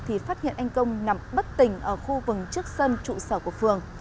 thì phát hiện anh công nằm bất tỉnh ở khu vừng trước sân trụ sở của phường